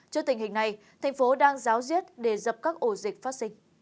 trước tình hình này thành phố đang giáo diết để dập các ổ dịch phát sinh